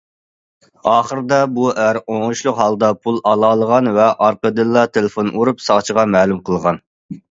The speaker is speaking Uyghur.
ئاخىردا بۇ ئەر ئوڭۇشلۇق ھالدا پۇل ئالالىغان ۋە ئارقىدىنلا تېلېفون ئۇرۇپ ساقچىغا مەلۇم قىلغان.